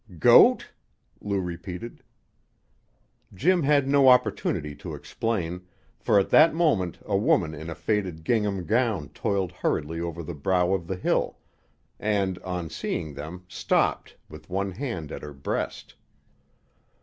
"'Goat'?" Lou repeated. Jim had no opportunity to explain, for at that moment a woman in a faded gingham gown toiled hurriedly over the brow of the hill, and, on seeing them, stopped, with one hand at her breast.